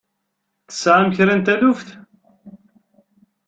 Tesɛam kra n taluft?